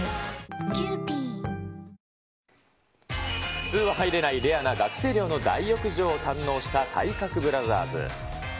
普通は入れないレアな学生寮の大浴場を堪能した体格ブラザーズ。